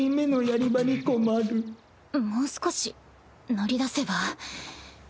もう少し乗り出せば。